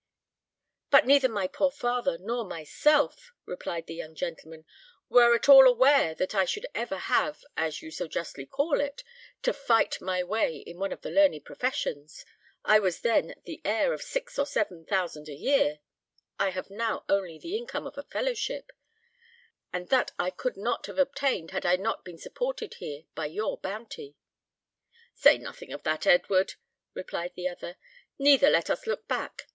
"But neither my poor father nor myself," replied the young gentleman, "were at all aware that I should ever have, as you so justly call it, to fight my way in one of the learned professions, I was then the heir of six or seven thousand a year; I have now only the income of a fellowship; and that I could not have obtained had I not been supported here by your bounty." "Say nothing of that Edward," replied the other; "neither let us look back.